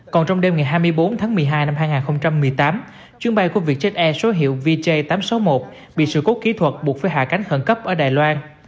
còn trong đêm ngày hai mươi bốn tháng một mươi hai năm hai nghìn một mươi tám chuyến bay của vietjet air số hiệu vj tám trăm sáu mươi một bị sự cố kỹ thuật buộc phải hạ cánh khẩn cấp ở đài loan